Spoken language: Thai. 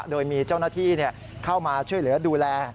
โดยมีเจ้าหน้าที่เข้ามาช่วยเหลือดูแล